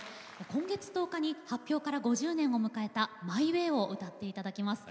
今月１０日で発表から５０年を迎える「マイ・ウェイ」をご披露いただきます。